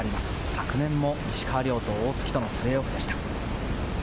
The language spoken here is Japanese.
昨年も石川遼と大槻とのプレーオフでした。